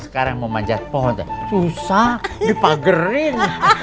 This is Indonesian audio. sekarang mau manjat pohon susah dipagerin